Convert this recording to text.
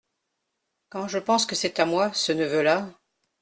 Quand je pense que c’est à moi, ce neveu-là !…